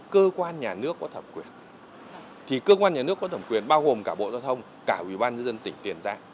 cơ quan nhà nước có thẩm quyền bao gồm cả bộ giao thông cả ubnd tỉnh tiền giang